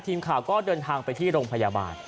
ทีมข่าวก็เดินทางไปที่โรงพยาบาล